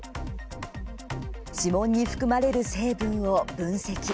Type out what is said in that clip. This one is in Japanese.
指紋に含まれる、成分を分析